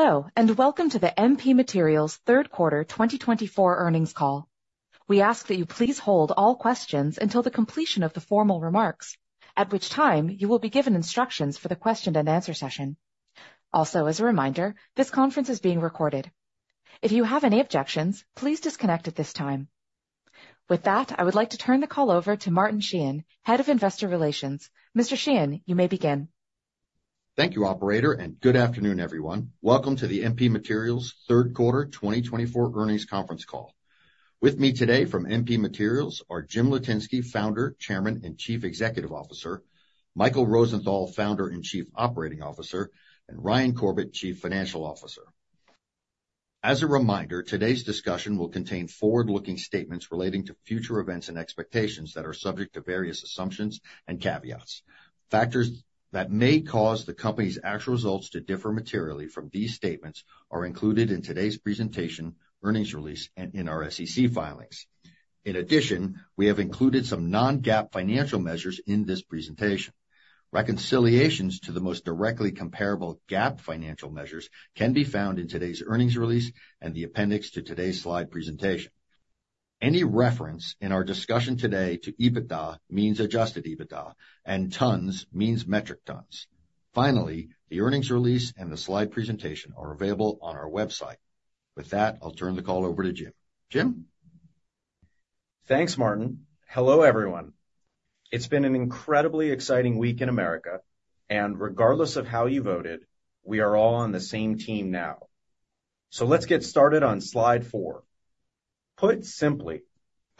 Hello, and welcome to the MP Materials Q3 2024 earnings call. We ask that you please hold all questions until the completion of the formal remarks, at which time you will be given instructions for the question-and-answer session. Also, as a reminder, this conference is being recorded. If you have any objections, please disconnect at this time. With that, I would like to turn the call over to Martin Sheehan, Head of Investor Relations. Mr. Sheehan, you may begin. Thank you, Operator, and good afternoon, everyone. Welcome to the MP Materials Q3 2024 earnings conference call. With me today from MP Materials are Jim Litinsky, Founder/Chairman and Chief Executive Officer, Michael Rosenthal, Founder and Chief Operating Officer, and Ryan Corbett, Chief Financial Officer. As a reminder, today's discussion will contain forward-looking statements relating to future events and expectations that are subject to various assumptions and caveats. Factors that may cause the company's actual results to differ materially from these statements are included in today's presentation, earnings release, and in our SEC filings. In addition, we have included some non-GAAP financial measures in this presentation. Reconciliations to the most directly comparable GAAP financial measures can be found in today's earnings release and the appendix to today's slide presentation. Any reference in our discussion today to EBITDA means Adjusted EBITDA, and tons means metric tons. Finally, the earnings release and the slide presentation are available on our website. With that, I'll turn the call over to Jim. Jim? Thanks, Martin. Hello, everyone. It's been an incredibly exciting week in America, and regardless of how you voted, we are all on the same team now. So let's get started on slide four. Put simply,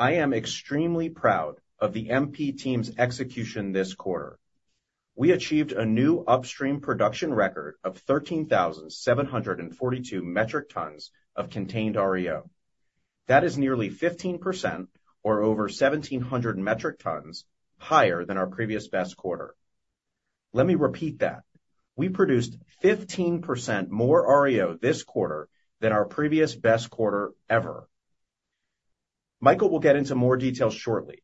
I am extremely proud of the MP team's execution this quarter. We achieved a new upstream production record of 13,742 metric tons of contained REO. That is nearly 15%, or over 1,700 metric tons, higher than our previous best quarter. Let me repeat that: we produced 15% more REO this quarter than our previous best quarter ever. Michael will get into more details shortly,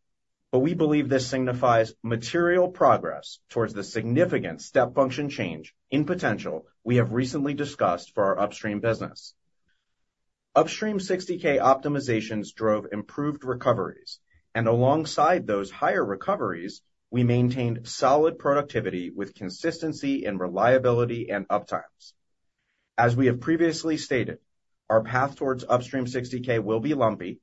but we believe this signifies material progress towards the significant step function change in potential we have recently discussed for our upstream business. Upstream 60K optimizations drove improved recoveries, and alongside those higher recoveries, we maintained solid productivity with consistency in reliability and uptimes. As we have previously stated, our path towards Upstream 60K will be lumpy,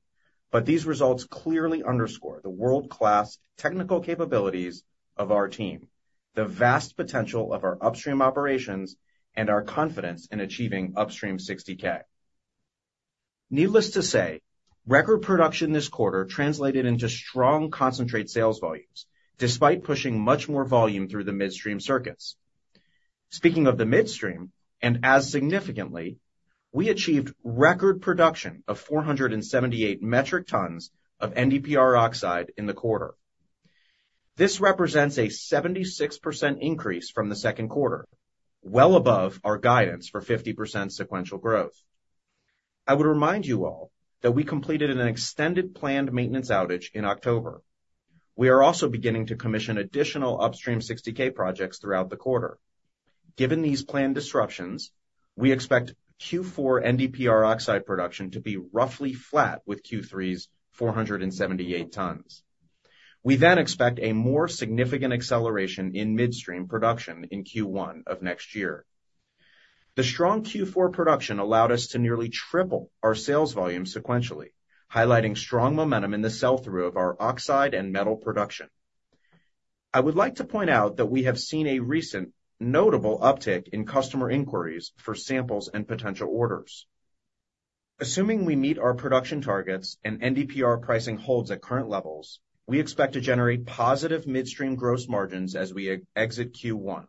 but these results clearly underscore the world-class technical capabilities of our team, the vast potential of our upstream operations, and our confidence in achieving Upstream 60K. Needless to say, record production this quarter translated into strong concentrate sales volumes, despite pushing much more volume through the midstream circuits. Speaking of the midstream, and as significantly, we achieved record production of 478 metric tons of NdPr oxide in the quarter. This represents a 76% increase from the second quarter, well above our guidance for 50% sequential growth. I would remind you all that we completed an extended planned maintenance outage in October. We are also beginning to commission additional Upstream 60K projects throughout the quarter. Given these planned disruptions, we expect Q4 NdPr oxide production to be roughly flat with Q3's 478 tons. We then expect a more significant acceleration in midstream production in Q1 of next year. The strong Q4 production allowed us to nearly triple our sales volume sequentially, highlighting strong momentum in the sell-through of our oxide and metal production. I would like to point out that we have seen a recent notable uptick in customer inquiries for samples and potential orders. Assuming we meet our production targets and NdPr pricing holds at current levels, we expect to generate positive midstream gross margins as we exit Q1.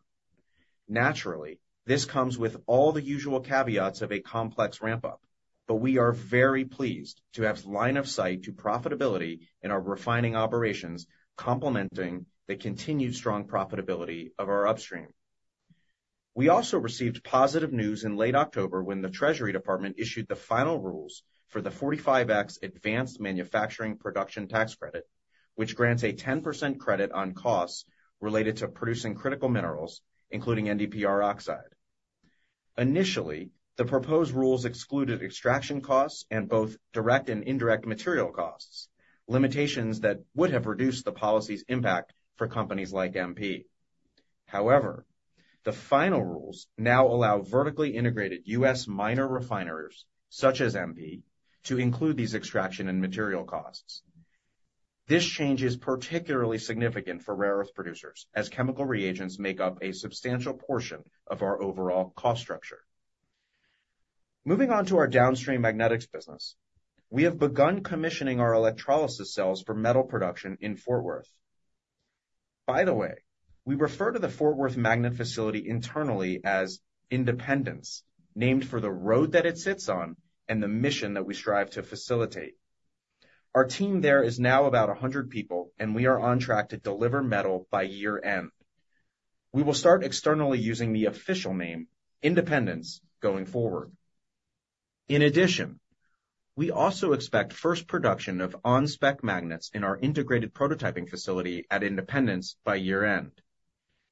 Naturally, this comes with all the usual caveats of a complex ramp-up, but we are very pleased to have line of sight to profitability in our refining operations, complementing the continued strong profitability of our upstream. We also received positive news in late October when the Treasury Department issued the final rules for the 45X Advanced Manufacturing Production Tax Credit, which grants a 10% credit on costs related to producing critical minerals, including NdPr oxide. Initially, the proposed rules excluded extraction costs and both direct and indirect material costs, limitations that would have reduced the policy's impact for companies like MP. However, the final rules now allow vertically integrated U.S. minor refineries, such as MP, to include these extraction and material costs. This change is particularly significant for rare earth producers, as chemical reagents make up a substantial portion of our overall cost structure. Moving on to our downstream magnetics business, we have begun commissioning our electrolysis cells for metal production in Fort Worth. By the way, we refer to the Fort Worth magnet facility internally as Independence, named for the road that it sits on and the mission that we strive to facilitate. Our team there is now about 100 people, and we are on track to deliver metal by year-end. We will start externally using the official name, Independence, going forward. In addition, we also expect first production of on-spec magnets in our integrated prototyping facility at Independence by year-end.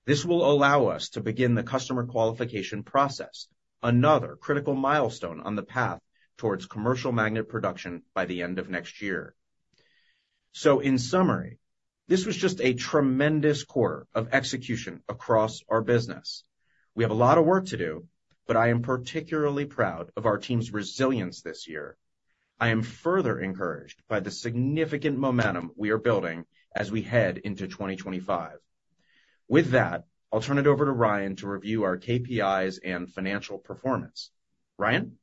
This will allow us to begin the customer qualification process, another critical milestone on the path towards commercial magnet production by the end of next year. So, in summary, this was just a tremendous quarter of execution across our business. We have a lot of work to do, but I am particularly proud of our team's resilience this year. I am further encouraged by the significant momentum we are building as we head into 2025. With that, I'll turn it over to Ryan to review our KPIs and financial performance. Ryan?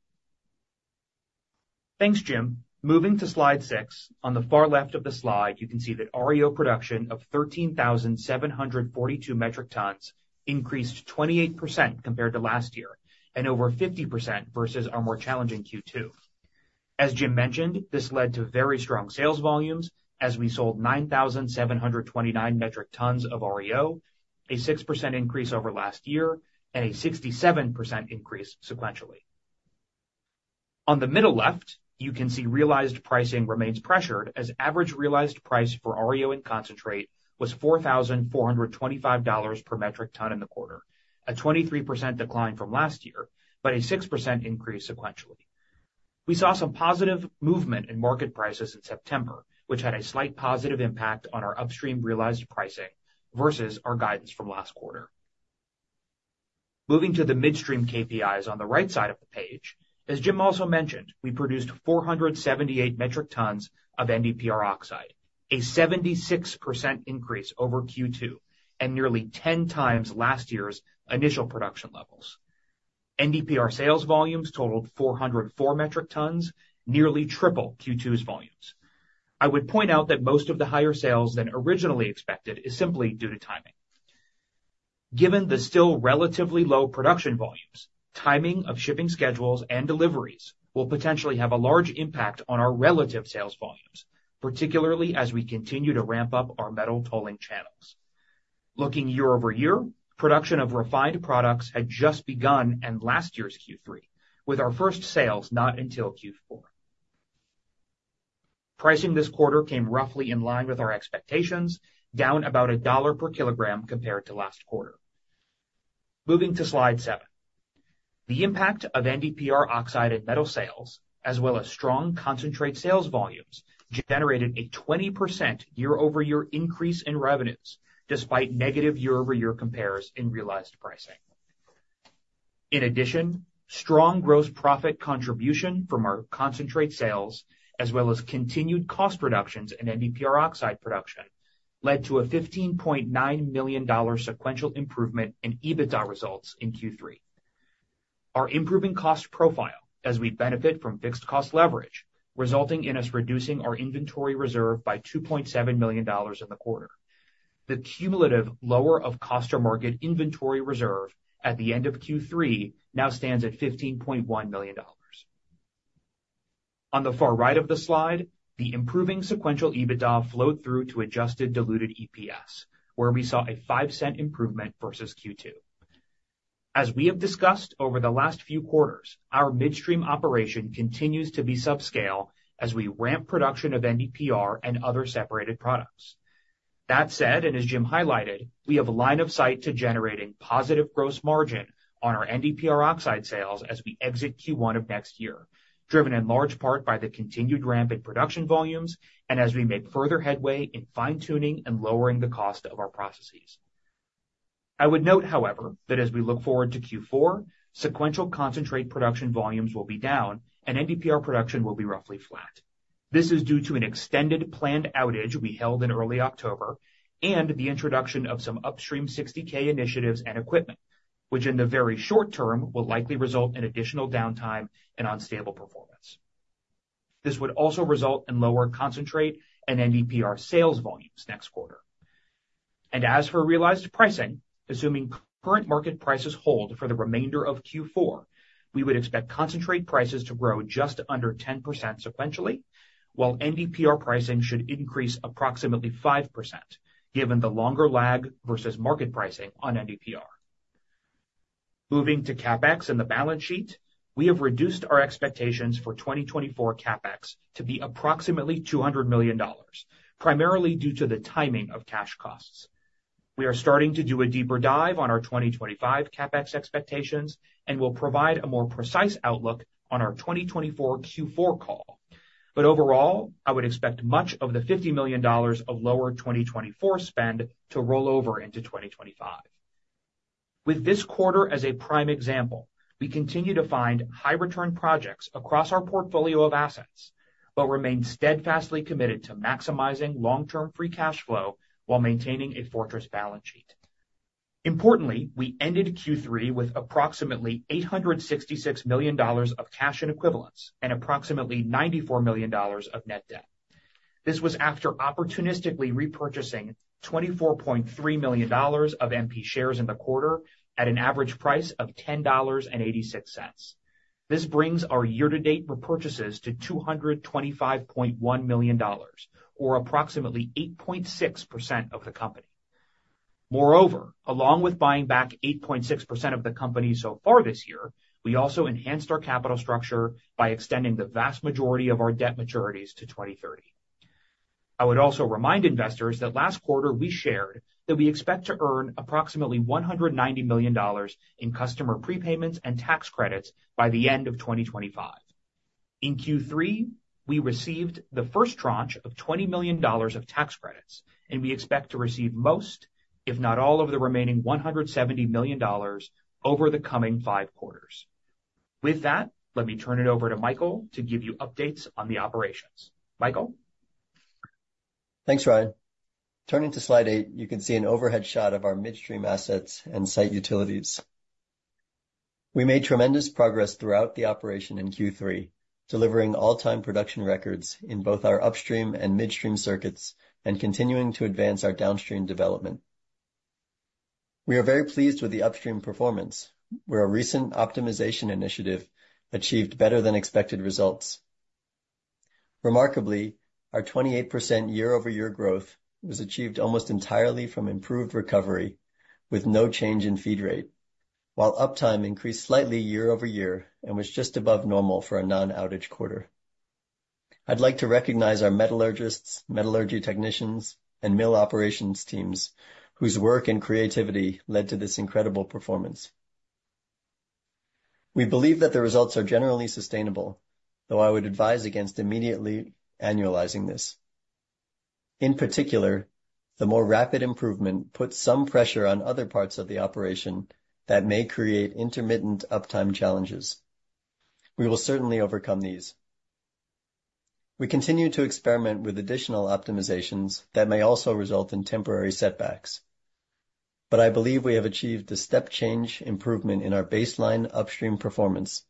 Thanks, Jim. Moving to slide six, on the far left of the slide, you can see that REO production of 13,742 metric tons increased 28% compared to last year, and over 50% versus our more challenging Q2. As Jim mentioned, this led to very strong sales volumes, as we sold 9,729 metric tons of REO, a 6% increase over last year, and a 67% increase sequentially. On the middle left, you can see realized pricing remains pressured, as average realized price for REO in concentrate was $4,425 per metric ton in the quarter, a 23% decline from last year, but a 6% increase sequentially. We saw some positive movement in market prices in September, which had a slight positive impact on our upstream realized pricing versus our guidance from last quarter. Moving to the midstream KPIs on the right side of the page, as Jim also mentioned, we produced 478 metric tons of NdPr oxide, a 76% increase over Q2, and nearly 10 times last year's initial production levels. NdPr sales volumes totaled 404 metric tons, nearly triple Q2's volumes. I would point out that most of the higher sales than originally expected is simply due to timing. Given the still relatively low production volumes, timing of shipping schedules and deliveries will potentially have a large impact on our relative sales volumes, particularly as we continue to ramp up our metal tolling channels. Looking year over year, production of refined products had just begun in last year's Q3, with our first sales not until Q4. Pricing this quarter came roughly in line with our expectations, down about $1 per kg compared to last quarter. Moving to slide seven, the impact of NdPr oxide and metal sales, as well as strong concentrate sales volumes, generated a 20% year-over-year increase in revenues, despite negative year-over-year compares in realized pricing. In addition, strong gross profit contribution from our concentrate sales, as well as continued cost reductions in NdPr oxide production, led to a $15.9 million sequential improvement in EBITDA results in Q3. Our improving cost profile, as we benefit from fixed cost leverage, resulted in us reducing our inventory reserve by $2.7 million in the quarter. The cumulative lower-of-cost-to-market inventory reserve at the end of Q3 now stands at $15.1 million. On the far right of the slide, the improving sequential EBITDA flowed through to adjusted diluted EPS, where we saw a 5% improvement versus Q2. As we have discussed over the last few quarters, our midstream operation continues to be subscale as we ramp production of NdPr and other separated products. That said, and as Jim highlighted, we have a line of sight to generating positive gross margin on our NdPr oxide sales as we exit Q1 of next year, driven in large part by the continued ramp in production volumes and as we make further headway in fine-tuning and lowering the cost of our processes. I would note, however, that as we look forward to Q4, sequential concentrate production volumes will be down, and NdPr production will be roughly flat. This is due to an extended planned outage we held in early October and the introduction of some Upstream 60K initiatives and equipment, which in the very short term will likely result in additional downtime and unstable performance. This would also result in lower concentrate and NdPr sales volumes next quarter. And as for realized pricing, assuming current market prices hold for the remainder of Q4, we would expect concentrate prices to grow just under 10% sequentially, while NdPr pricing should increase approximately 5%, given the longer lag versus market pricing on NdPr. Moving to CapEx and the balance sheet, we have reduced our expectations for 2024 CapEx to be approximately $200 million, primarily due to the timing of cash costs. We are starting to do a deeper dive on our 2025 CapEx expectations and will provide a more precise outlook on our 2024 Q4 call. But overall, I would expect much of the $50 million of lower 2024 spend to roll over into 2025. With this quarter as a prime example, we continue to find high-return projects across our portfolio of assets, but remain steadfastly committed to maximizing long-term free cash flow while maintaining a fortress balance sheet. Importantly, we ended Q3 with approximately $866 million of cash and equivalents and approximately $94 million of net debt. This was after opportunistically repurchasing $24.3 million of MP shares in the quarter at an average price of $10.86. This brings our year-to-date repurchases to $225.1 million, or approximately 8.6% of the company. Moreover, along with buying back 8.6% of the company so far this year, we also enhanced our capital structure by extending the vast majority of our debt maturities to 2030. I would also remind investors that last quarter we shared that we expect to earn approximately $190 million in customer prepayments and tax credits by the end of 2025. In Q3, we received the first tranche of $20 million of tax credits, and we expect to receive most, if not all, of the remaining $170 million over the coming five quarters. With that, let me turn it over to Michael to give you updates on the operations. Michael? Thanks, Ryan. Turning to slide eight, you can see an overhead shot of our midstream assets and site utilities. We made tremendous progress throughout the operation in Q3, delivering all-time production records in both our upstream and midstream circuits and continuing to advance our downstream development. We are very pleased with the upstream performance, where a recent optimization initiative achieved better-than-expected results. Remarkably, our 28% year-over-year growth was achieved almost entirely from improved recovery, with no change in feed rate, while uptime increased slightly year-over-year and was just above normal for a non-outage quarter. I'd like to recognize our metallurgists, metallurgy technicians, and mill operations teams, whose work and creativity led to this incredible performance. We believe that the results are generally sustainable, though I would advise against immediately annualizing this. In particular, the more rapid improvement puts some pressure on other parts of the operation that may create intermittent uptime challenges. We will certainly overcome these. We continue to experiment with additional optimizations that may also result in temporary setbacks, but I believe we have achieved the step-change improvement in our baseline upstream performance,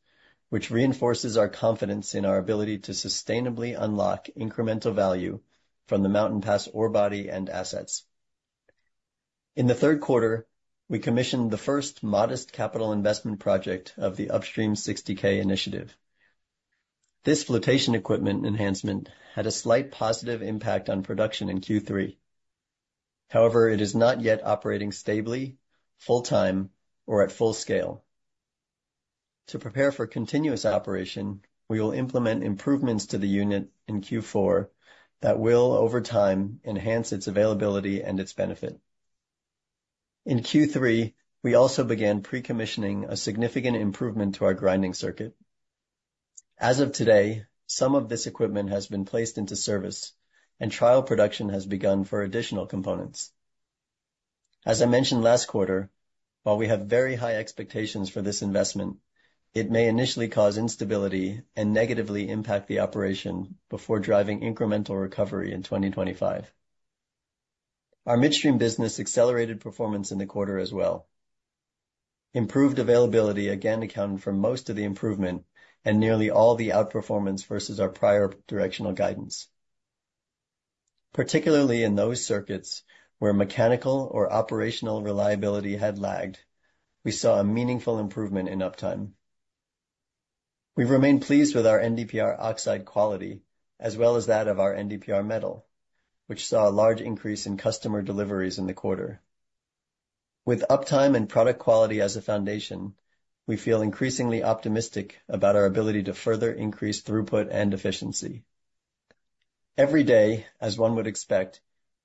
which reinforces our confidence in our ability to sustainably unlock incremental value from the Mountain Pass ore body and assets. In the third quarter, we commissioned the first modest capital investment project of the Upstream 60K initiative. This flotation equipment enhancement had a slight positive impact on production in Q3. However, it is not yet operating stably, full-time, or at full scale. To prepare for continuous operation, we will implement improvements to the unit in Q4 that will, over time, enhance its availability and its benefit. In Q3, we also began pre-commissioning a significant improvement to our grinding circuit. As of today, some of this equipment has been placed into service, and trial production has begun for additional components. As I mentioned last quarter, while we have very high expectations for this investment, it may initially cause instability and negatively impact the operation before driving incremental recovery in 2025. Our midstream business accelerated performance in the quarter as well. Improved availability again accounted for most of the improvement and nearly all the outperformance versus our prior directional guidance. Particularly in those circuits where mechanical or operational reliability had lagged, we saw a meaningful improvement in uptime. We remain pleased with our NdPr oxide quality, as well as that of our NdPr metal, which saw a large increase in customer deliveries in the quarter. With uptime and product quality as a foundation, we feel increasingly optimistic about our ability to further increase throughput and efficiency. Every day, as one would expect,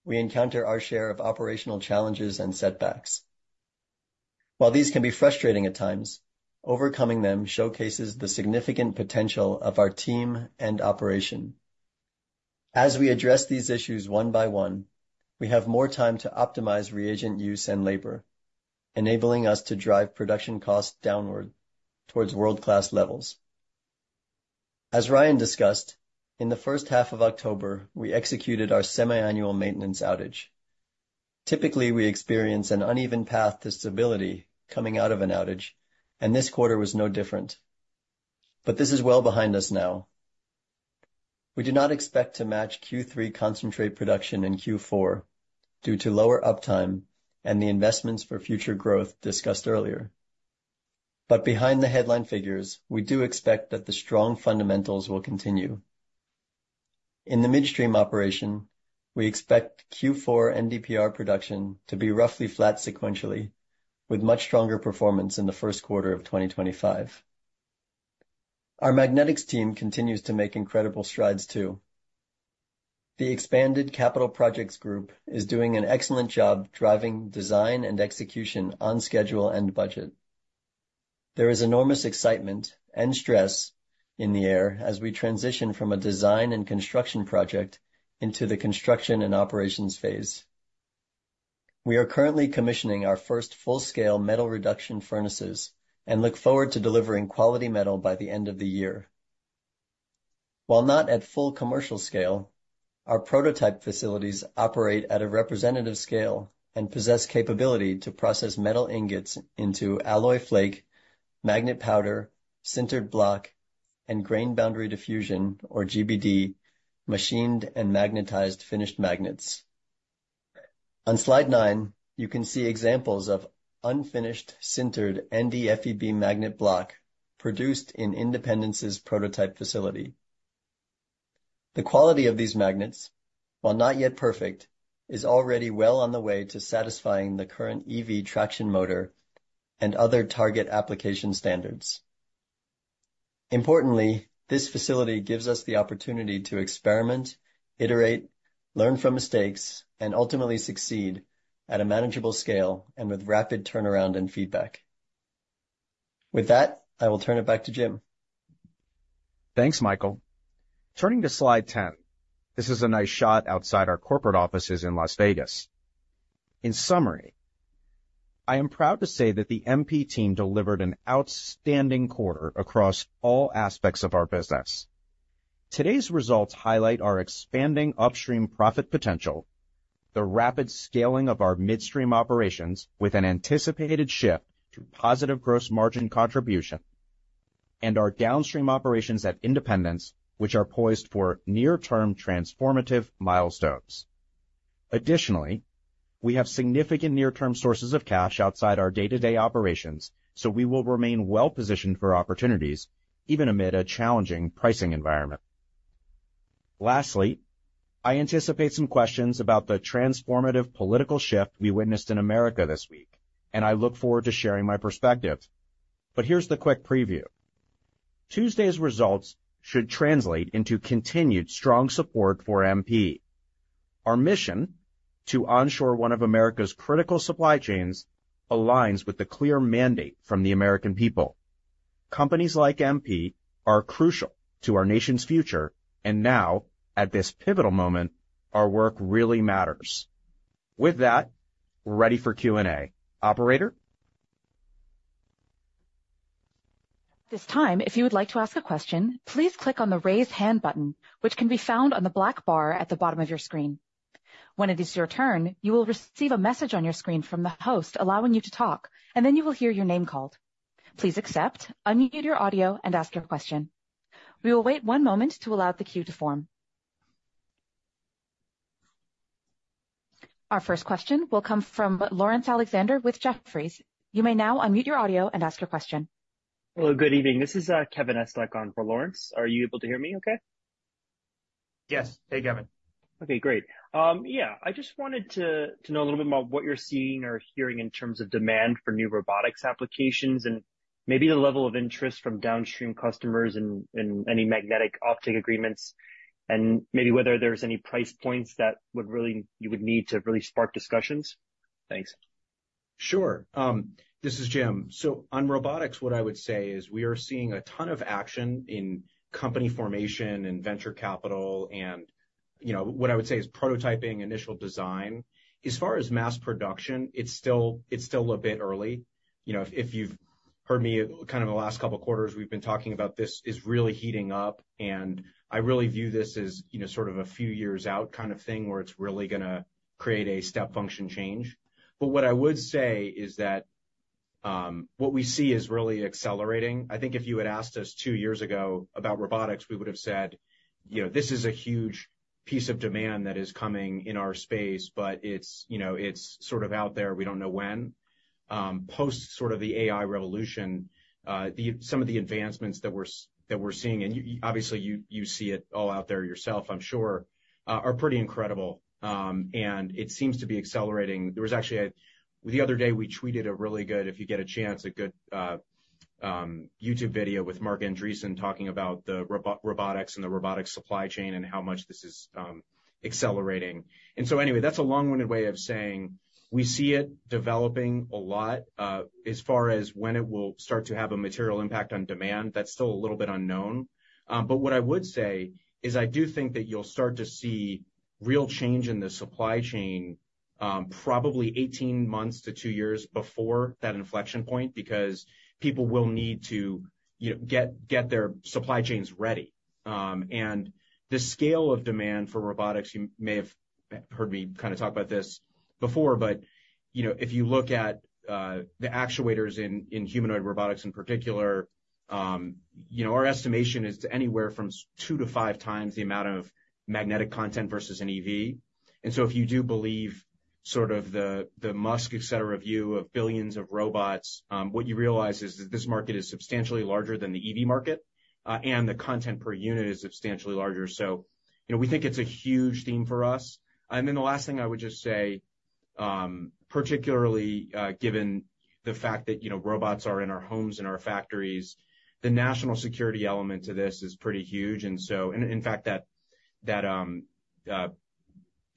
we encounter our share of operational challenges and setbacks. While these can be frustrating at times, overcoming them showcases the significant potential of our team and operation. As we address these issues one by one, we have more time to optimize reagent use and labor, enabling us to drive production costs downward towards world-class levels. As Ryan discussed, in the first half of October, we executed our semi-annual maintenance outage. Typically, we experience an uneven path to stability coming out of an outage, and this quarter was no different. But this is well behind us now. We do not expect to match Q3 concentrate production in Q4 due to lower uptime and the investments for future growth discussed earlier. But behind the headline figures, we do expect that the strong fundamentals will continue. In the midstream operation, we expect Q4 NdPr production to be roughly flat sequentially, with much stronger performance in the first quarter of 2025. Our magnetics team continues to make incredible strides too. The expanded capital projects group is doing an excellent job driving design and execution on schedule and budget. There is enormous excitement and stress in the air as we transition from a design and construction project into the construction and operations phase. We are currently commissioning our first full-scale metal reduction furnaces and look forward to delivering quality metal by the end of the year. While not at full commercial scale, our prototype facilities operate at a representative scale and possess capability to process metal ingots into alloy flake, magnet powder, sintered block, and grain boundary diffusion, or GBD, machined and magnetized finished magnets. On slide nine, you can see examples of unfinished sintered NdFeB magnet block produced in Independence's prototype facility. The quality of these magnets, while not yet perfect, is already well on the way to satisfying the current EV traction motor and other target application standards. Importantly, this facility gives us the opportunity to experiment, iterate, learn from mistakes, and ultimately succeed at a manageable scale and with rapid turnaround and feedback. With that, I will turn it back to Jim. Thanks, Michael. Turning to slide 10, this is a nice shot outside our corporate offices in Las Vegas. In summary, I am proud to say that the MP team delivered an outstanding quarter across all aspects of our business. Today's results highlight our expanding upstream profit potential, the rapid scaling of our midstream operations with an anticipated shift to positive gross margin contribution, and our downstream operations at Independence, which are poised for near-term transformative milestones. Additionally, we have significant near-term sources of cash outside our day-to-day operations, so we will remain well-positioned for opportunities, even amid a challenging pricing environment. Lastly, I anticipate some questions about the transformative political shift we witnessed in America this week, and I look forward to sharing my perspective. But here's the quick preview. Tuesday's results should translate into continued strong support for MP. Our mission to onshore one of America's critical supply chains aligns with the clear mandate from the American people. Companies like MP are crucial to our nation's future, and now, at this pivotal moment, our work really matters. With that, we're ready for Q&A. Operator? This time, if you would like to ask a question, please click on the raise hand button, which can be found on the black bar at the bottom of your screen. When it is your turn, you will receive a message on your screen from the host allowing you to talk, and then you will hear your name called. Please accept, unmute your audio, and ask your question. We will wait one moment to allow the queue to form. Our first question will come from Laurence Alexander with Jefferies. You may now unmute your audio and ask your question. Hello, good evening. This is Kevin Estok for Lawrence. Are you able to hear me okay? Yes. Hey, Kevin. Okay, great. Yeah, I just wanted to know a little bit more about what you're seeing or hearing in terms of demand for new robotics applications and maybe the level of interest from downstream customers in any magnet offtake agreements and maybe whether there's any price points that you would need to really spark discussions? Thanks. Sure. This is Jim. So on robotics, what I would say is we are seeing a ton of action in company formation and venture capital, and what I would say is prototyping, initial design. As far as mass production, it's still a bit early. If you've heard me kind of the last couple of quarters, we've been talking about this is really heating up, and I really view this as sort of a few years out kind of thing where it's really going to create a step function change. But what I would say is that what we see is really accelerating. I think if you had asked us two years ago about robotics, we would have said, "This is a huge piece of demand that is coming in our space, but it's sort of out there. We don't know when. Post sort of the AI revolution, some of the advancements that we're seeing, and obviously, you see it all out there yourself, I'm sure, are pretty incredible, and it seems to be accelerating. There was actually the other day, we tweeted a really good, if you get a chance, a good YouTube video with Marc Andreessen talking about the robotics and the robotics supply chain and how much this is accelerating. And so anyway, that's a long-winded way of saying we see it developing a lot. As far as when it will start to have a material impact on demand, that's still a little bit unknown. But what I would say is I do think that you'll start to see real change in the supply chain probably 18 months to two years before that inflection point because people will need to get their supply chains ready. And the scale of demand for robotics, you may have heard me kind of talk about this before, but if you look at the actuators in humanoid robotics in particular, our estimation is anywhere from two to five times the amount of magnetic content versus an EV. And so if you do believe sort of the Elon Musk etc. view of billions of robots, what you realize is that this market is substantially larger than the EV market, and the content per unit is substantially larger. So we think it's a huge theme for us. And then the last thing I would just say, particularly given the fact that robots are in our homes and our factories, the national security element to this is pretty huge. And so, in fact, that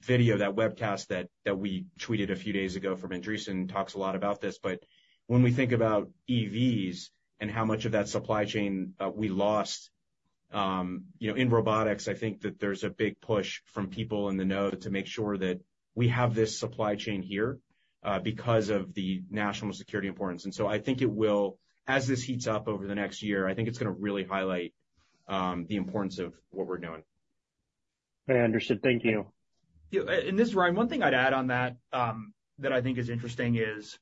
video, that webcast that we tweeted a few days ago from Marc Andreessen talks a lot about this. But when we think about EVs and how much of that supply chain we lost in robotics, I think that there's a big push from people in the know to make sure that we have this supply chain here because of the national security importance. And so I think it will, as this heats up over the next year, I think it's going to really highlight the importance of what we're doing. I understood. Thank you. This is Ryan. One thing I'd add on that that I think is interesting is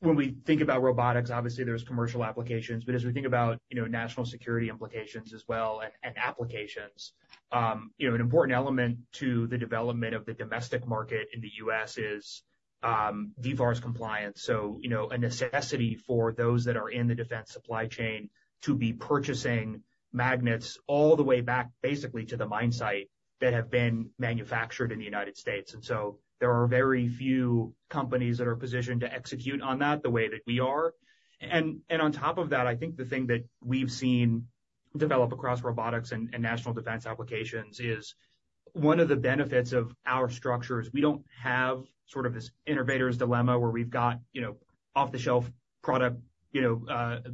when we think about robotics, obviously, there's commercial applications, but as we think about national security implications as well and applications, an important element to the development of the domestic market in the U.S. is DFARS compliance. So, a necessity for those that are in the defense supply chain to be purchasing magnets all the way back basically to the mine site that have been manufactured in the United States. And so there are very few companies that are positioned to execute on that the way that we are. And on top of that, I think the thing that we've seen develop across robotics and national defense applications is one of the benefits of our structure is we don't have sort of this innovator's dilemma where we've got off-the-shelf product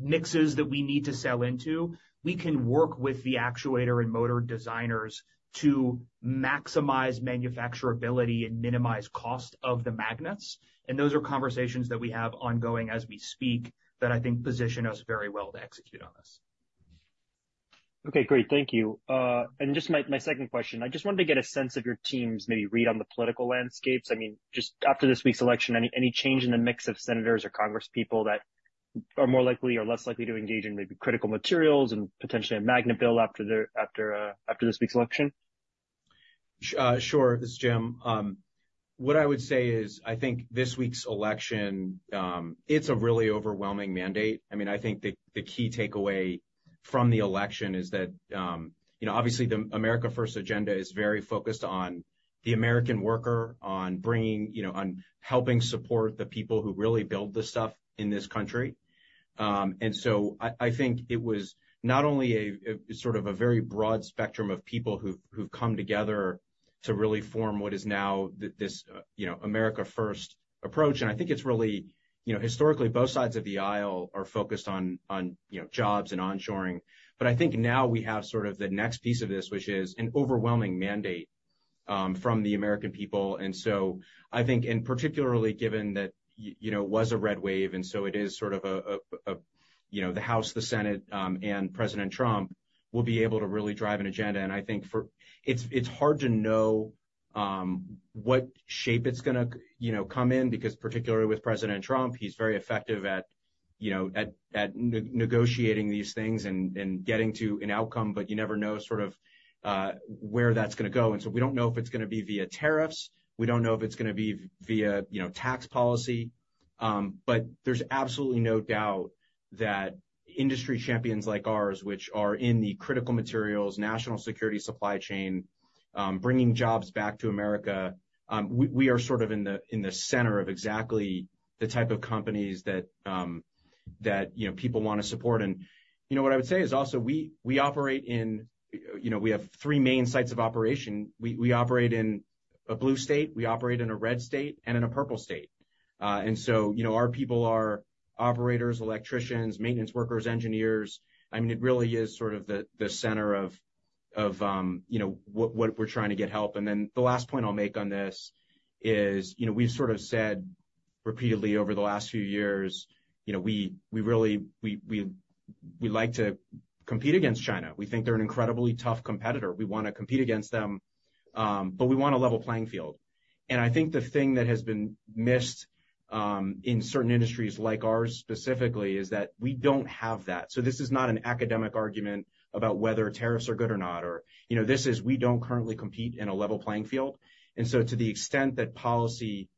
mixes that we need to sell into. We can work with the actuator and motor designers to maximize manufacturability and minimize cost of the magnets, and those are conversations that we have ongoing as we speak that I think position us very well to execute on this. Okay, great. Thank you. And just my second question, I just wanted to get a sense of your team's maybe read on the political landscapes. I mean, just after this week's election, any change in the mix of senators or congresspeople that are more likely or less likely to engage in maybe critical materials and potentially a magnet bill after this week's election? Sure. This is Jim. What I would say is, I think this week's election is a really overwhelming mandate. I mean, I think the key takeaway from the election is that obviously the America First agenda is very focused on the American worker, on bringing, on helping support the people who really build the stuff in this country. And so I think it was not only sort of a very broad spectrum of people who've come together to really form what is now this America First approach. And I think it's really historical, both sides of the aisle are focused on jobs and onshoring. But I think now we have sort of the next piece of this, which is an overwhelming mandate from the American people. And so I think, and particularly given that it was a red wave, and so it is sort of the House, the Senate, and President Trump will be able to really drive an agenda. And I think it's hard to know what shape it's going to come in because particularly with President Trump, he's very effective at negotiating these things and getting to an outcome, but you never know sort of where that's going to go. And so we don't know if it's going to be via tariffs. We don't know if it's going to be via tax policy. But there's absolutely no doubt that industry champions like ours, which are in the critical materials, national security supply chain, bringing jobs back to America, we are sort of in the center of exactly the type of companies that people want to support. What I would say is also we have three main sites of operation. We operate in a blue state. We operate in a red state and in a purple state. And so our people are operators, electricians, maintenance workers, engineers. I mean, it really is sort of the center of what we're trying to get help. And then the last point I'll make on this is we've sort of said repeatedly over the last few years, we really like to compete against China. We think they're an incredibly tough competitor. We want to compete against them, but we want a level playing field. And I think the thing that has been missed in certain industries like ours specifically is that we don't have that. So this is not an academic argument about whether tariffs are good or not, or this is we don't currently compete in a level playing field, and so to the extent that policy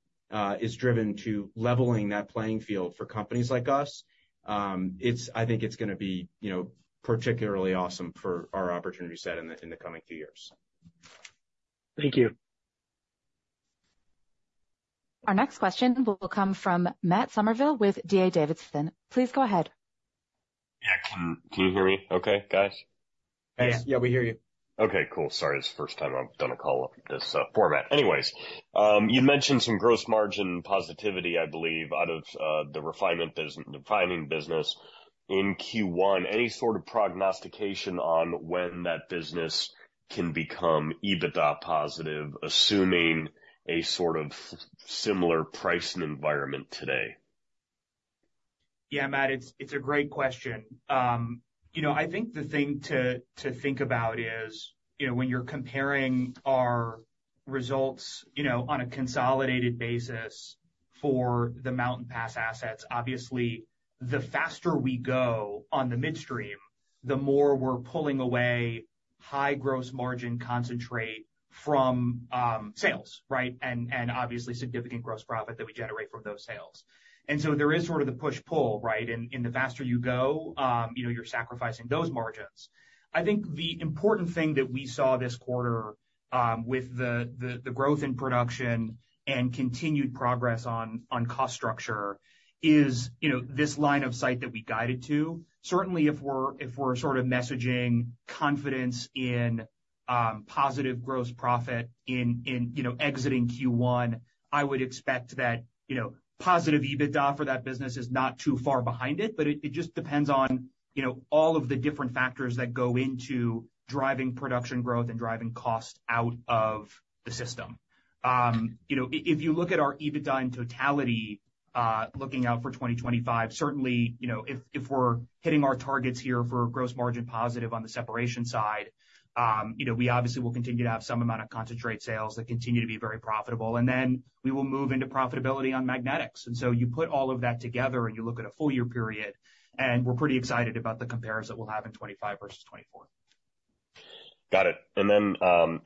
is driven to leveling that playing field for companies like us, I think it's going to be particularly awesome for our opportunity set in the coming few years. Thank you. Our next question will come from Matt Summerville with DA Davidson. Please go ahead. Yeah. Can you hear me okay, guys? Yes. Yeah, we hear you. Okay. Cool. Sorry. It's the first time I've done a call in this format. Anyways, you mentioned some gross margin positivity, I believe, out of the refining business in Q1. Any sort of prognostication on when that business can become EBITDA positive, assuming a sort of similar pricing environment today? Yeah, Matt, it's a great question. I think the thing to think about is when you're comparing our results on a consolidated basis for the Mountain Pass assets, obviously, the faster we go on the midstream, the more we're pulling away high gross margin concentrate from sales, right, and obviously significant gross profit that we generate from those sales. And so there is sort of the push-pull, right? And the faster you go, you're sacrificing those margins. I think the important thing that we saw this quarter with the growth in production and continued progress on cost structure is this line of sight that we guided to. Certainly, if we're sort of messaging confidence in positive gross profit in exiting Q1, I would expect that positive EBITDA for that business is not too far behind it, but it just depends on all of the different factors that go into driving production growth and driving cost out of the system. If you look at our EBITDA in totality looking out for 2025, certainly if we're hitting our targets here for gross margin positive on the separation side, we obviously will continue to have some amount of concentrate sales that continue to be very profitable. And then we will move into profitability on magnetics. And so you put all of that together and you look at a full year period, and we're pretty excited about the comparison that we'll have in 2025 versus 2024. Got it. And then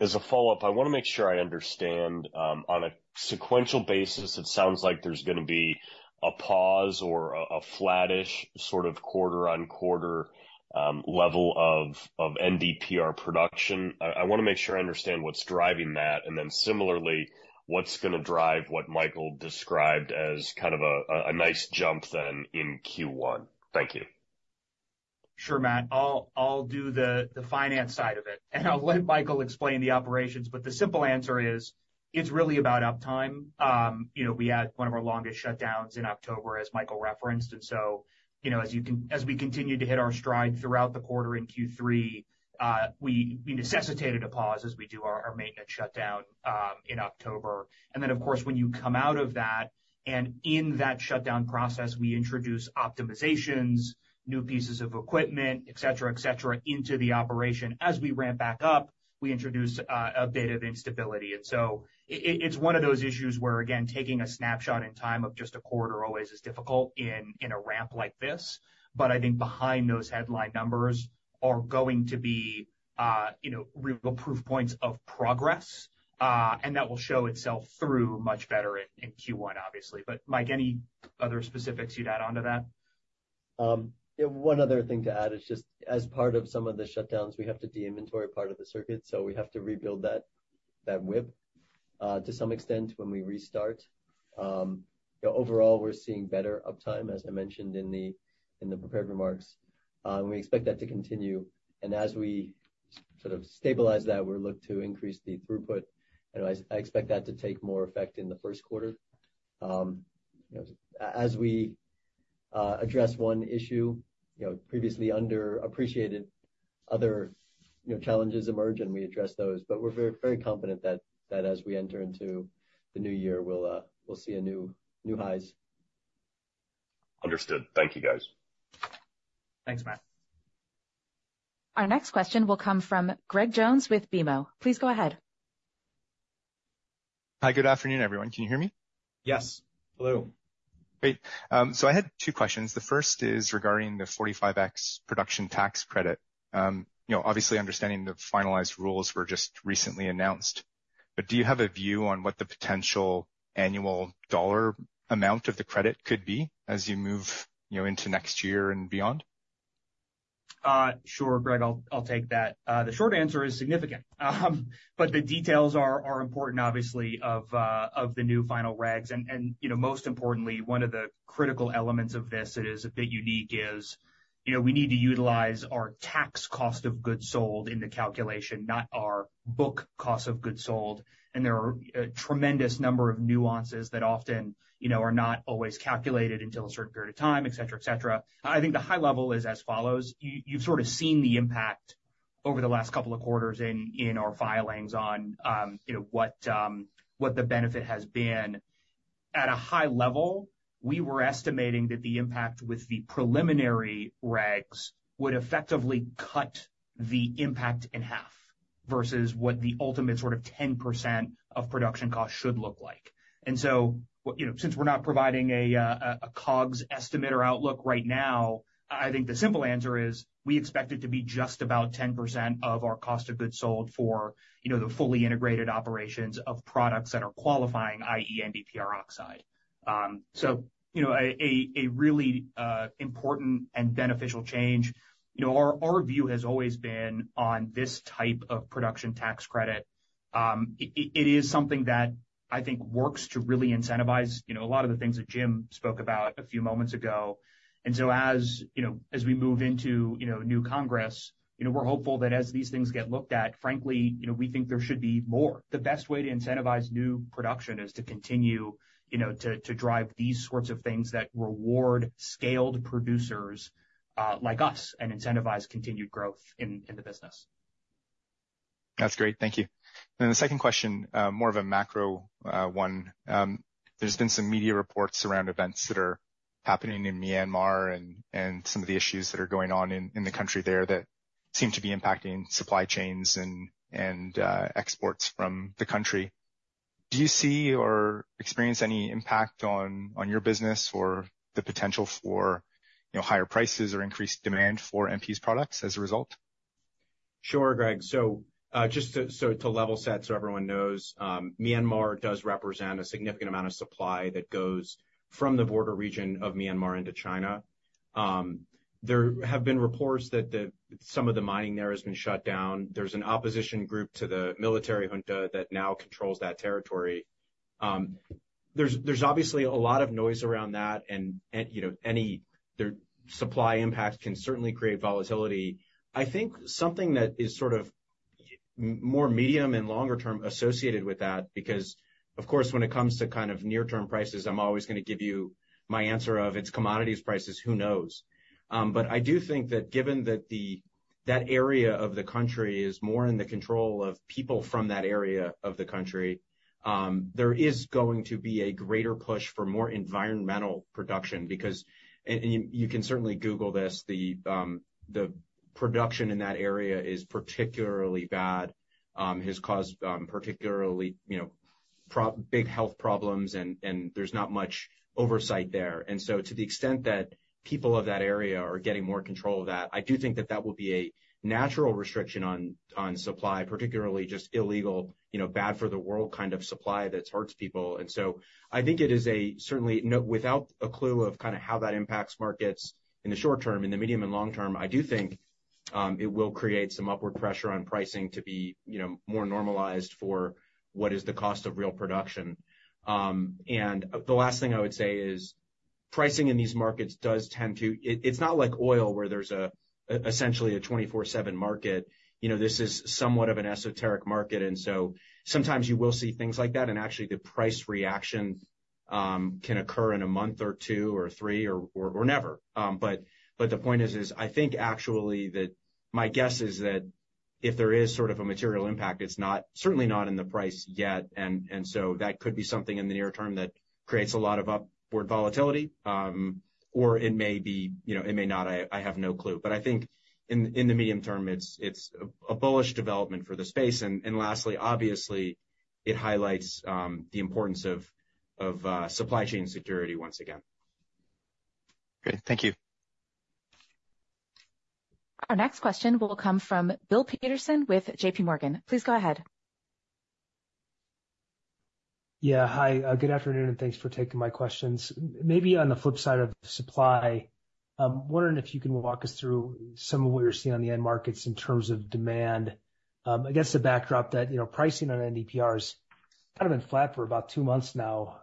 as a follow-up, I want to make sure I understand on a sequential basis, it sounds like there's going to be a pause or a flattish sort of quarter-on-quarter level of NdPr production. I want to make sure I understand what's driving that. And then similarly, what's going to drive what Michael described as kind of a nice jump then in Q1? Thank you. Sure, Matt. I'll do the finance side of it, and I'll let Michael explain the operations. But the simple answer is it's really about uptime. We had one of our longest shutdowns in October, as Michael referenced. And so as we continued to hit our stride throughout the quarter in Q3, we necessitated a pause as we do our maintenance shutdown in October. And then, of course, when you come out of that, and in that shutdown process, we introduce optimizations, new pieces of equipment, etc., etc. into the operation. As we ramp back up, we introduce a bit of instability. And so it's one of those issues where, again, taking a snapshot in time of just a quarter always is difficult in a ramp like this. But I think behind those headline numbers are going to be real proof points of progress, and that will show itself through much better in Q1, obviously. But Mike, any other specifics you'd add on to that? One other thing to add is just as part of some of the shutdowns, we have to de-inventory part of the circuit. So we have to rebuild that WIP to some extent when we restart. Overall, we're seeing better uptime, as I mentioned in the prepared remarks. We expect that to continue. And as we sort of stabilize that, we'll look to increase the throughput. I expect that to take more effect in the first quarter. As we address one issue, previously underappreciated other challenges emerge, and we address those. But we're very confident that as we enter into the new year, we'll see new highs. Understood. Thank you, guys. Thanks, Matt. Our next question will come from Greg Jones with BMO. Please go ahead. Hi, good afternoon, everyone. Can you hear me? Yes. Hello. Great. So I had two questions. The first is regarding the 45X production tax credit. Obviously, understanding the finalized rules were just recently announced. But do you have a view on what the potential annual dollar amount of the credit could be as you move into next year and beyond? Sure, Greg, I'll take that. The short answer is significant, but the details are important, obviously, of the new final regs. Most importantly, one of the critical elements of this that is a bit unique is we need to utilize our tax cost of goods sold in the calculation, not our book cost of goods sold. There are a tremendous number of nuances that often are not always calculated until a certain period of time, etc., etc. I think the high level is as follows. You've sort of seen the impact over the last couple of quarters in our filings on what the benefit has been. At a high level, we were estimating that the impact with the preliminary regs would effectively cut the impact in half versus what the ultimate sort of 10% of production cost should look like. And so since we're not providing a COGS estimate or outlook right now, I think the simple answer is we expect it to be just about 10% of our cost of goods sold for the fully integrated operations of products that are qualifying, i.e., NdPr oxide. So a really important and beneficial change. Our view has always been on this type of production tax credit. It is something that I think works to really incentivize a lot of the things that Jim spoke about a few moments ago. And so as we move into new Congress, we're hopeful that as these things get looked at, frankly, we think there should be more. The best way to incentivize new production is to continue to drive these sorts of things that reward scaled producers like us and incentivize continued growth in the business. That's great. Thank you. And then the second question, more of a macro one. There's been some media reports around events that are happening in Myanmar and some of the issues that are going on in the country there that seem to be impacting supply chains and exports from the country. Do you see or experience any impact on your business or the potential for higher prices or increased demand for MP's products as a result? Sure, Greg. So just to level set so everyone knows, Myanmar does represent a significant amount of supply that goes from the border region of Myanmar into China. There have been reports that some of the mining there has been shut down. There's an opposition group to the military junta that now controls that territory. There's obviously a lot of noise around that, and any supply impact can certainly create volatility. I think something that is sort of more medium and longer term associated with that because, of course, when it comes to kind of near-term prices, I'm always going to give you my answer of it's commodities prices, who knows? But I do think that given that that area of the country is more in the control of people from that area of the country, there is going to be a greater push for more environmental production because you can certainly Google this. The production in that area is particularly bad, has caused particularly big health problems, and there's not much oversight there. And so to the extent that people of that area are getting more control of that, I do think that that will be a natural restriction on supply, particularly just illegal, bad for the world kind of supply that hurts people. And so I think it is certainly without a clue of kind of how that impacts markets in the short term, in the medium and long term. I do think it will create some upward pressure on pricing to be more normalized for what is the cost of real production. And the last thing I would say is pricing in these markets does tend to. It's not like oil where there's essentially a 24/7 market. This is somewhat of an esoteric market. And so sometimes you will see things like that. And actually, the price reaction can occur in a month or two or three or never. But the point is, I think actually that my guess is that if there is sort of a material impact, it's certainly not in the price yet. That could be something in the near term that creates a lot of upward volatility, or it may not. I have no clue. But I think in the medium term, it's a bullish development for the space. And lastly, obviously, it highlights the importance of supply chain security once again. Great. Thank you. Our next question will come from Bill Peterson with J.P. Morgan. Please go ahead. Yeah. Hi. Good afternoon, and thanks for taking my questions. Maybe on the flip side of supply, I'm wondering if you can walk us through some of what you're seeing on the end markets in terms of demand. I guess the backdrop that pricing on NdPr has kind of been flat for about two months now.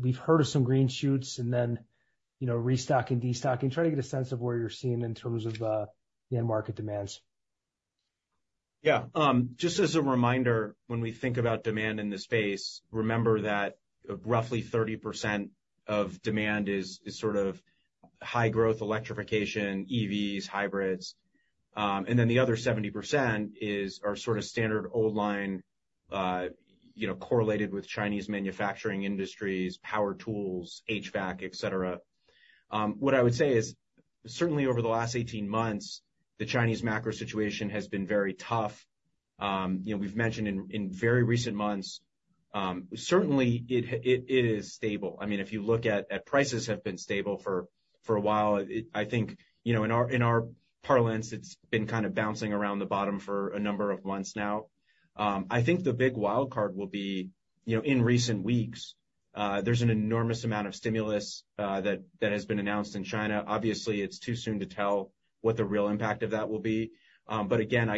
We've heard of some green shoots and then restocking, destocking. Try to get a sense of where you're seeing in terms of the end market demands. Yeah. Just as a reminder, when we think about demand in the space, remember that roughly 30% of demand is sort of high-growth electrification, EVs, hybrids. And then the other 70% are sort of standard old line correlated with Chinese manufacturing industries, power tools, HVAC, etc. What I would say is certainly over the last 18 months, the Chinese macro situation has been very tough. We've mentioned in very recent months, certainly it is stable. I mean, if you look at prices have been stable for a while, I think in our parlance, it's been kind of bouncing around the bottom for a number of months now. I think the big wildcard will be in recent weeks. There's an enormous amount of stimulus that has been announced in China. Obviously, it's too soon to tell what the real impact of that will be. But again,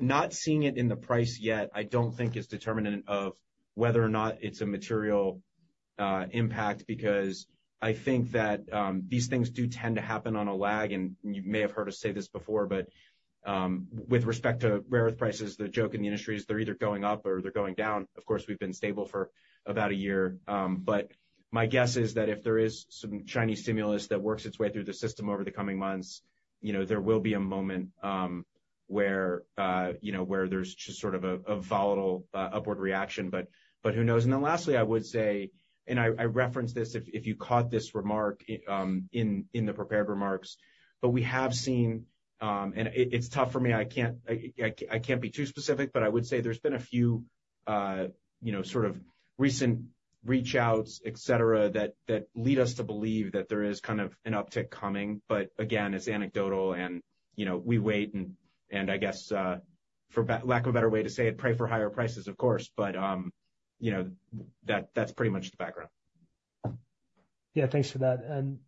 not seeing it in the price yet, I don't think is determinant of whether or not it's a material impact because I think that these things do tend to happen on a lag. And you may have heard us say this before, but with respect to rare earth prices, the joke in the industry is they're either going up or they're going down. Of course, we've been stable for about a year. But my guess is that if there is some Chinese stimulus that works its way through the system over the coming months, there will be a moment where there's just sort of a volatile upward reaction. But who knows? And then lastly, I would say, and I referenced this if you caught this remark in the prepared remarks, but we have seen, and it's tough for me. I can't be too specific, but I would say there's been a few sort of recent reach-outs, etc., that lead us to believe that there is kind of an uptick coming. But again, it's anecdotal, and we wait, and I guess for lack of a better way to say it, pray for higher prices, of course. But that's pretty much the background. Yeah. Thanks for that. And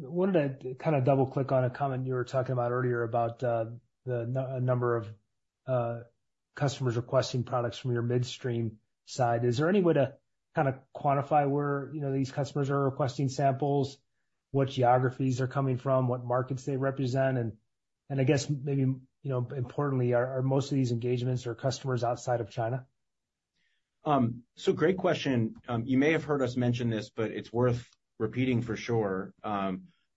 I wanted to kind of double-click on a comment you were talking about earlier about the number of customers requesting products from your midstream side. Is there any way to kind of quantify where these customers are requesting samples, what geographies they're coming from, what markets they represent? And I guess maybe importantly, are most of these engagements or customers outside of China? So great question. You may have heard us mention this, but it's worth repeating for sure.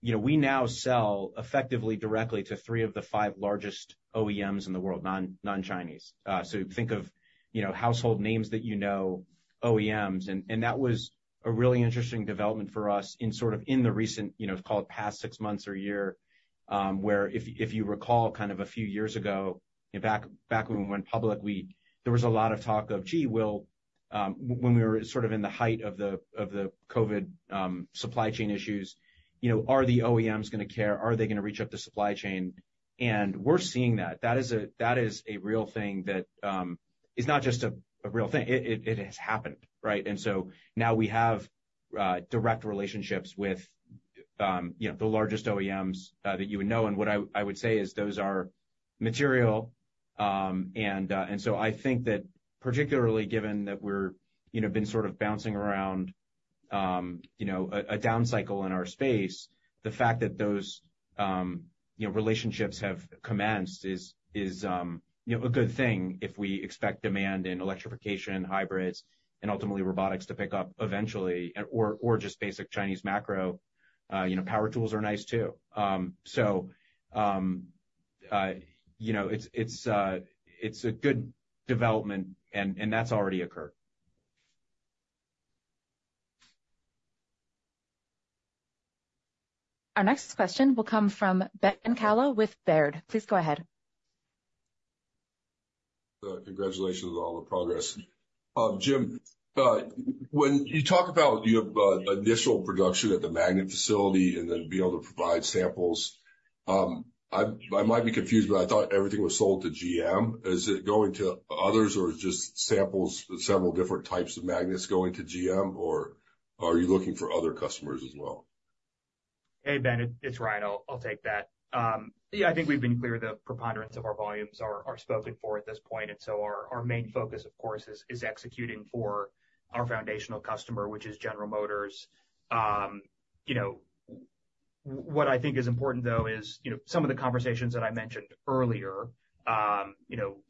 We now sell effectively directly to three of the five largest OEMs in the world, non-Chinese. So think of household names that you know, OEMs. And that was a really interesting development for us in sort of in the recent, call it past six months or year, where if you recall kind of a few years ago, back when we went public, there was a lot of talk of, "Gee, when we were sort of in the height of the COVID supply chain issues, are the OEMs going to care? Are they going to reach up the supply chain?" And we're seeing that. That is a real thing that is not just a real thing. It has happened, right? And so now we have direct relationships with the largest OEMs that you would know. What I would say is those are material. So I think that particularly given that we've been sort of bouncing around a down cycle in our space, the fact that those relationships have commenced is a good thing if we expect demand in electrification, hybrids, and ultimately robotics to pick up eventually, or just basic Chinese macro. Power tools are nice too. So it's a good development, and that's already occurred. Our next question will come from Ben Kallo with Baird. Please go ahead. Congratulations on all the progress. Jim, when you talk about you have initial production at the magnet facility and then being able to provide samples, I might be confused, but I thought everything was sold to GM. Is it going to others, or is it just samples, several different types of magnets going to GM, or are you looking for other customers as well? Hey, Ben, it's Ryan. I'll take that. Yeah, I think we've been clear that the preponderance of our volumes are spoken for at this point. And so our main focus, of course, is executing for our foundational customer, which is General Motors. What I think is important, though, is some of the conversations that I mentioned earlier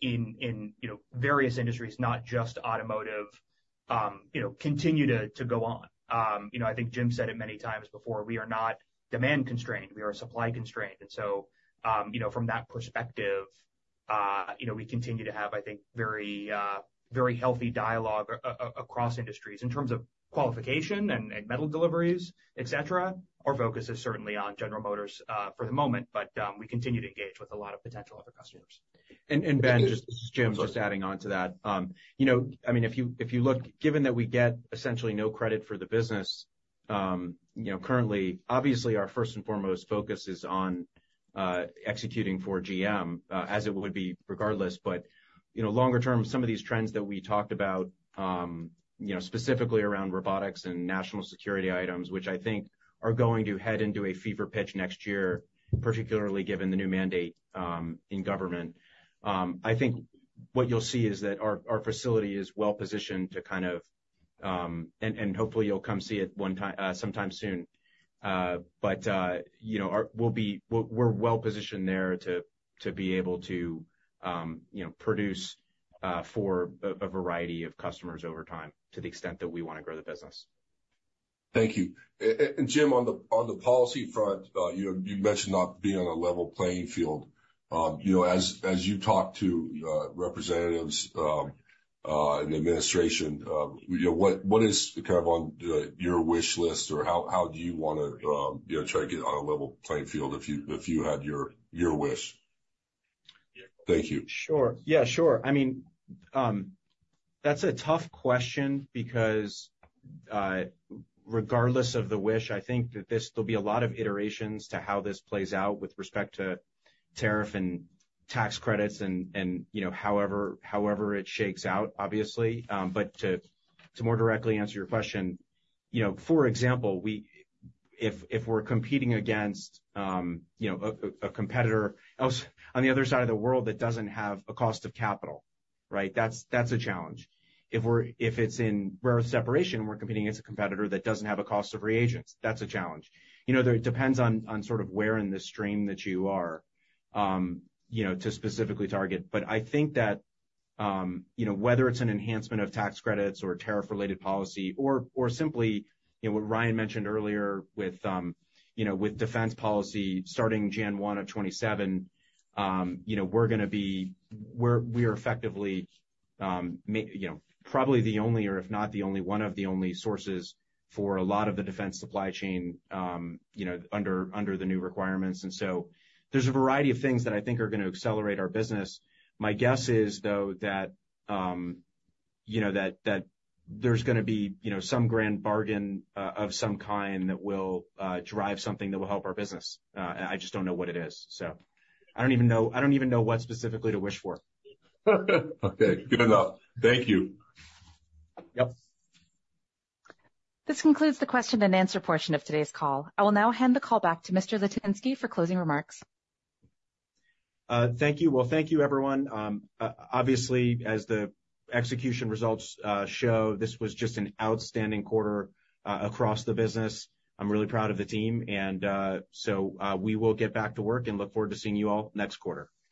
in various industries, not just automotive, continue to go on. I think Jim said it many times before, we are not demand constrained. We are supply constrained. And so from that perspective, we continue to have, I think, very healthy dialogue across industries in terms of qualification and metal deliveries, etc. Our focus is certainly on General Motors for the moment, but we continue to engage with a lot of potential other customers. And Ben, this is Jim just adding on to that. I mean, if you look, given that we get essentially no credit for the business currently, obviously, our first and foremost focus is on executing for GM, as it would be regardless. But longer term, some of these trends that we talked about, specifically around robotics and national security items, which I think are going to head into a fever pitch next year, particularly given the new mandate in government, I think what you'll see is that our facility is well positioned to kind of, and hopefully you'll come see it sometime soon. But we're well positioned there to be able to produce for a variety of customers over time to the extent that we want to grow the business. Thank you. And Jim, on the policy front, you mentioned not being on a level playing field. As you talk to representatives in the administration, what is kind of on your wish list, or how do you want to try to get on a level playing field if you had your wish? Thank you. Sure. Yeah, sure. I mean, that's a tough question because regardless of the wish, I think that there'll be a lot of iterations to how this plays out with respect to tariff and tax credits and however it shakes out, obviously. But to more directly answer your question, for example, if we're competing against a competitor on the other side of the world that doesn't have a cost of capital, right? That's a challenge. If it's in rare earth separation and we're competing against a competitor that doesn't have a cost of reagents, that's a challenge. It depends on sort of where in the stream that you are to specifically target. I think that whether it's an enhancement of tax credits or tariff-related policy or simply what Ryan mentioned earlier with defense policy starting January 1 of 2027, we are effectively probably the only, or if not the only, one of the only sources for a lot of the defense supply chain under the new requirements. So there's a variety of things that I think are going to accelerate our business. My guess is, though, that there's going to be some grand bargain of some kind that will drive something that will help our business. I just don't know what it is. I don't even know what specifically to wish for. Okay. Good enough. Thank you. Yep. This concludes the question-and-answer portion of today's call. I will now hand the call back to Mr. Litinsky for closing remarks. Thank you. Well, thank you, everyone. Obviously, as the execution results show, this was just an outstanding quarter across the business. I'm really proud of the team, and so we will get back to work and look forward to seeing you all next quarter.